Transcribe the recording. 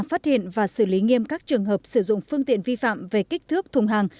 phát hiện và xử lý nghiêm các trường hợp sử dụng phương tiện vi phạm về kích thước thùng hàng